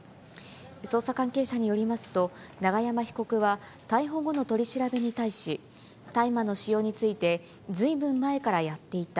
捜査関係者によりますと、永山被告は逮捕後の取り調べに対し、大麻の使用について、ずいぶん前からやっていた。